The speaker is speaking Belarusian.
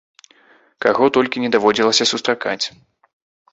Каго толькі не даводзілася сустракаць!